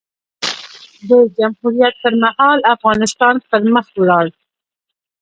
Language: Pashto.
د جمهوریت پر مهال؛ افغانستان پر مخ ولاړ.